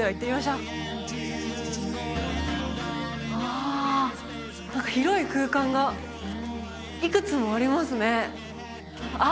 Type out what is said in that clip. うわあ何か広い空間がいくつもありますねあっ